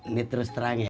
ini terus terang ya